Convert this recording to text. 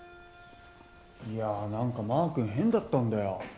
いやなんかまークン変だったんだよ。